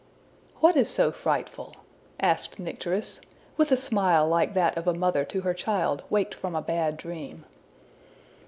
'' ``What is so frightful?'' asked Nycteris, with a smile like that of a mother to her child waked from a bad dream.